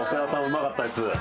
うまかったです。